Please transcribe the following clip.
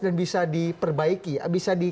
dan bisa diperbaiki bisa di